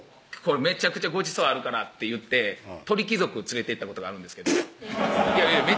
「めちゃくちゃごちそうあるから」って言って鳥貴族連れていったことがあるんですけどブッ！